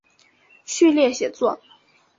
序列写作。